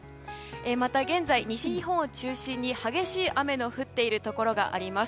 また現在、西日本を中心に激しい雨が降っているところがあります。